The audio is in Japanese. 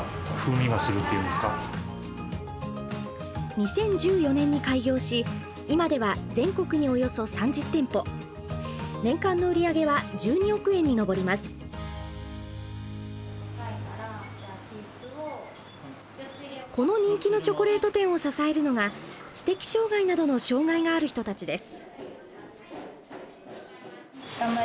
２０１４年に開業し今ではこの人気のチョコレート店を支えるのが知的障害などの障害がある人たちです。